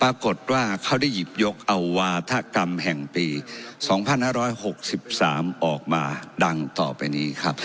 ปรากฏว่าเขาได้หยิบยกเอาวาธกรรมแห่งปี๒๕๖๓ออกมาดังต่อไปนี้ครับ